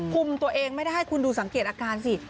คุมตัวเองไม่ได้คุณดูสังเกตอาการสิ